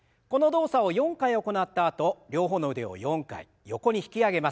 この動作を４回行ったあと両方の腕を４回横に引き上げます。